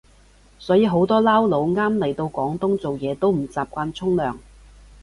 所以好多撈佬啱嚟到廣東做嘢都唔習慣沖涼